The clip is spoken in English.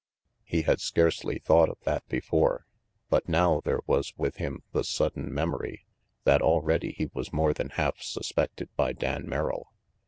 He had scarcely thought of that before, but now there was with him the sudden memory that already he was more than half sus pected by Dan Merrill.